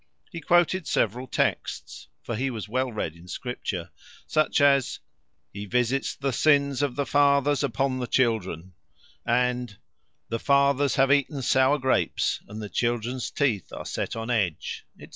He quoted several texts (for he was well read in Scripture), such as, _He visits the sins of the fathers upon the children; and the fathers have eaten sour grapes, and the children's teeth are set on edge_,&c.